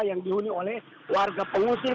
yang dihuni oleh warga pengusir